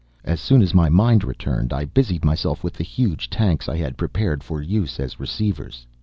As soon as my mind returned, I busied myself with the huge tanks I had prepared for use as receivers.